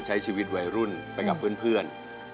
ใช้ชีวิตวัยรุ่นไปกับเพื่อน